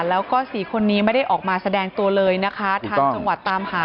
แล้วก็สี่คนนี้ไม่ได้ออกมาแสดงตัวเลยนะคะทางจังหวัดตามหา